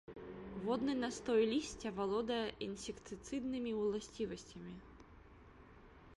Водны настой лісця валодае інсектыцыднымі ўласцівасцямі.